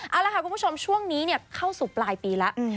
เอาละค่ะคุณผู้ชมช่วงนี้เข้าสู่ปลายปีแล้ว